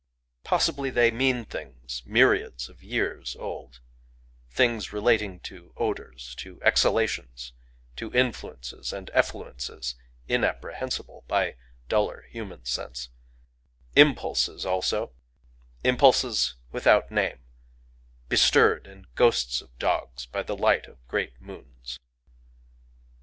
Possibly they mean things myriads of years old,—things relating to odors, to exhalations, to influences and effluences inapprehensible by duller human sense,—impulses also, impulses without name, bestirred in ghosts of dogs by the light of great moons.